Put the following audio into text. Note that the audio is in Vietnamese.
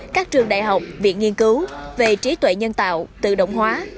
các trường đại học viện nghiên cứu về trí tuệ nhân tạo tự động hóa